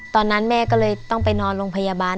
ตอนนั้นแม่ก็เลยต้องไปนอนโรงพยาบาล